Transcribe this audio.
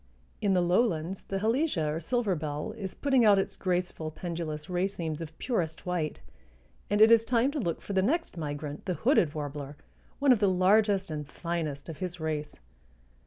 In the lowlands the Halesia or silver bell is putting out its graceful pendulous racemes of purest white, and it is time to look for the next migrant, the hooded warbler, one of the largest and finest of his race.